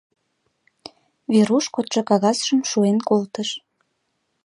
Веруш кодшо кагазшым шуэн колтыш.